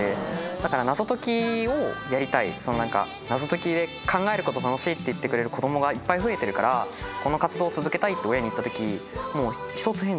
だから「謎解きをやりたい」「謎解きで考えること楽しい」って言ってくれる子供がいっぱい増えてるからこの活動を続けたいって親に言った時もう１つ返事で